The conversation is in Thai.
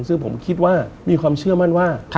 ซึ่งผมคิดว่ามีความเชื่อมั่นว่า